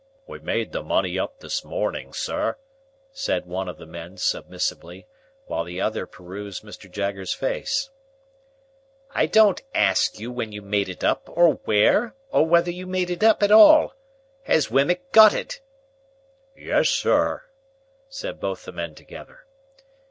"We made the money up this morning, sir," said one of the men, submissively, while the other perused Mr. Jaggers's face. "I don't ask you when you made it up, or where, or whether you made it up at all. Has Wemmick got it?" "Yes, sir," said both the men together.